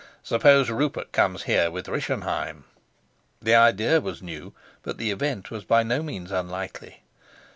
Suppose Rupert comes here with Rischenheim!" The idea was new, but the event was by no means unlikely.